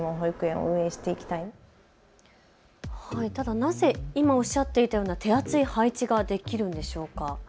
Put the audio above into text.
なぜ今おっしゃっていたような手厚い配置ができるんでしょうか。